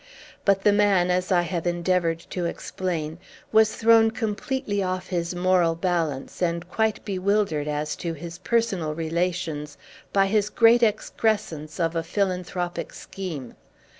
But the man, as I have endeavored to explain, was thrown completely off his moral balance, and quite bewildered as to his personal relations, by his great excrescence of a philanthropic scheme.